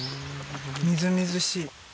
みずみずしい。